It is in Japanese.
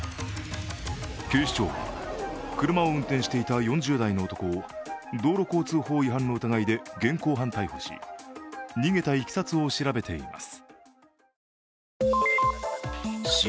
警視庁は車を運転していた４０代の男を道路交通法違反の疑いで現行犯逮捕し、逃げたいきさつを調べています。